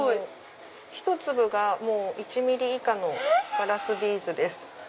ひと粒が１ｍｍ以下のガラスビーズです。